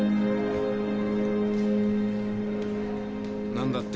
・何だって？